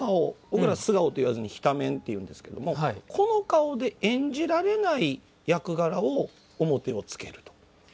僕ら素顔と言わずに直面と言うんですけどこの顔で、演じられない役柄を面をつけると。